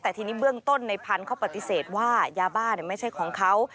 แต่ทีนี้เบื้องต้นในพันธุ์เขาปฏิเสธว่ายาบ้าไม่ใช่ของเขา